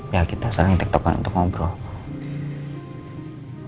ya kita sering tiktok kan untuk ngobrol